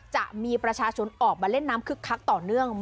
จะมีประชาชนออกมาเล่นน้ำคึกคักต่อเนื่อง